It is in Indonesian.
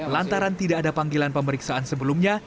lantaran tidak ada panggilan pemeriksaan sebelumnya